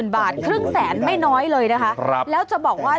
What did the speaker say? บาทครึ่งแสนไม่น้อยเลยนะคะแล้วจะบอกว่า